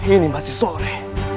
ini masih sore